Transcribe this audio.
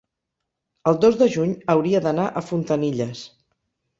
el dos de juny hauria d'anar a Fontanilles.